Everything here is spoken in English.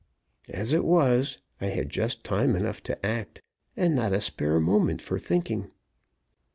As it was, I had just time enough to act, and not a spare moment for thinking.